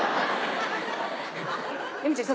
由美ちゃん